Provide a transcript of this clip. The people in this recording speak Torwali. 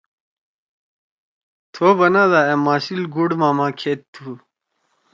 تھو بنا دا أ ماسیِل گوڑ ماما کھید تُھو؟“